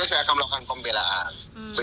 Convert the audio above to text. saya akan melakukan pembelaan